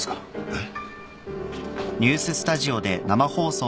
えっ？